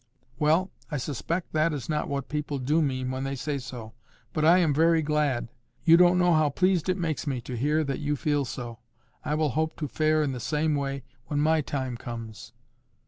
"Well, I suspect that is not what people do mean when they say so. But I am very glad—you don't know how pleased it makes me to hear that you feel so. I will hope to fare in the same way when my time comes."